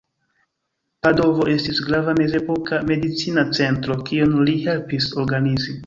Padovo estis grava mezepoka medicina centro, kiun li helpis organizi.